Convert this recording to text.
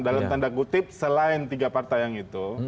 dalam tanda kutip selain tiga partai yang itu